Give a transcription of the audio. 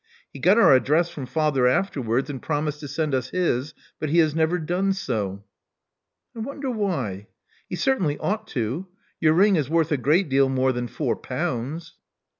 He got our address from father afterwards, and promised to send us his; but he has never done so." I wonder why. He certainly ought to. Your ring is worth a great deal more than four pounds."